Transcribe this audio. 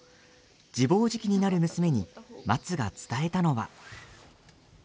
自暴自棄になる娘にまつが伝えたのは。